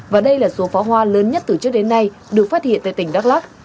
và đây là số pháo hoa lớn nhất từ trước đến nay được phát hiện tại tỉnh đắk lắc